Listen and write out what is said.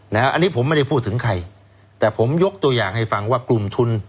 อันนี้ผมไม่ได้พูดถึงใครแต่ผมยกตัวอย่างให้ฟังว่ากลุ่มทุน